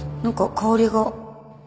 何か香りが